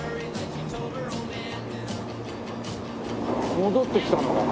戻ってきたのかな？